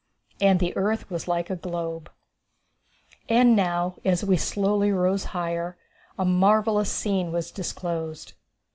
And the Earth Was Like a Globe. And now, as we slowly rose higher, a marvellous scene was disclosed.